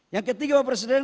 yang ketiga bapak presiden